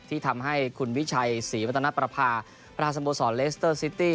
ที่ทำให้คุณวิชัยศรีวัฒนประพาประธานสโมสรเลสเตอร์ซิตี้